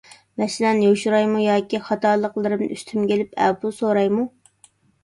مەسىلەن، يوشۇرايمۇ ياكى خاتالىقلىرىمنى ئۈستۈمگە ئېلىپ ئەپۇ سورايمۇ؟